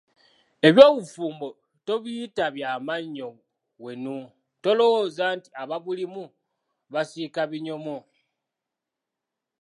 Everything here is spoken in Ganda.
Eby'obufumbo tobiyita bya mannyo wenu, tolowooza nti ababulimu basiika binyomo!